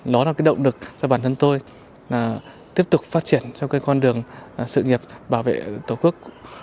nó là cái động lực cho bản thân tôi là tiếp tục phát triển trong cái con đường sự nghiệp bảo vệ tổ quốc